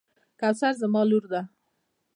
کوثر زما لور ده.